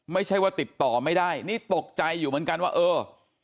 ไม่ใช่ว่าติดต่อไม่ได้นี่ตกใจอยู่เหมือนกันว่าเออ